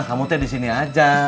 kamu tea di sini aja